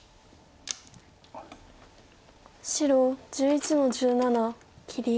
白１１の十七切り。